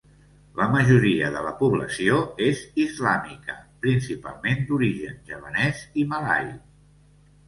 La majoria de la població és islàmica, principalment d'origen javanès i malai.